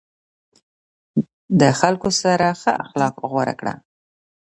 د خلکو سره ښه اخلاق غوره کړه.